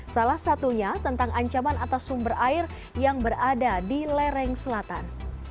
salah satunya tentang ancaman atas sumber air yang berada di lereng selatan